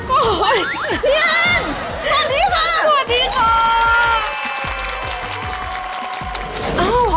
สวัสดีค่ะ